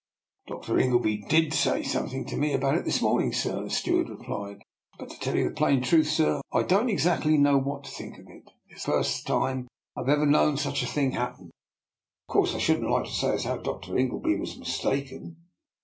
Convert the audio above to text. "" Dr. Ingleby did say something to me about it this morning, sir," the steward re plied; "but to tell you the plain truth, sir, I don't exactly know what to think of it. It's the first time I've ever known such a thing happen. Of course I shouldn't like to say as how Dr. Ingleby was mistaken."